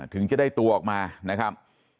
ถึงจะได้ตัวออกมานะครับ